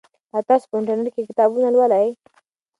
آیا تاسو په انټرنیټ کې کتابونه لولئ؟